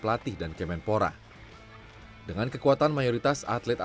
dan tidak mau diperlukan untuk saya sendiri